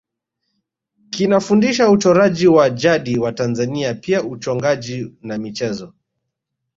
Kinafundisha uchoraji wa jadi wa Tanzania pia uchongaji na michezo